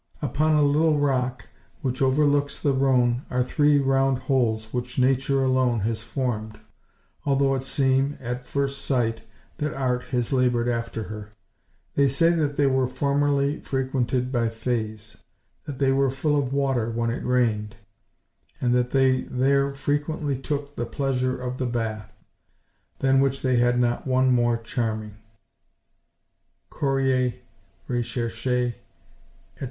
Upon a little rock which overlooks the Rhone are three round holes which nature alone has formed, although it seem, at first sight, that art has laboured after her. They say that they were formerly frequented by Fays; that they were full of water when it rained; and that they there frequently took the pleasure of the bath; than which they had not one more charming (Chorier, Recherches, etc.).